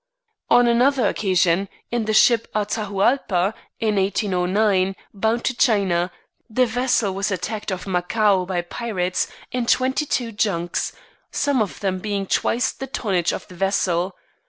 On another occasion, in the ship Atahualpa, in 1809, bound to China, the vessel was attacked off Macao by pirates, in twenty two junks, some of them being twice the tonnage of the vessel.